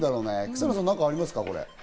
草野さん、何かありますか？